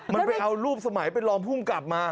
มันไปเอารูปสมัยไปลองพุ่งกลับมา